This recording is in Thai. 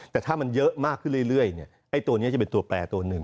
แต่ถ้ามันเยอะมากขึ้นเรื่อยไอ้ตัวนี้จะเป็นตัวแปลตัวหนึ่ง